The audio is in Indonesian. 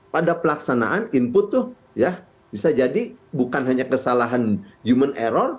pada pelaksanaan input tuh ya bisa jadi bukan hanya kesalahan human error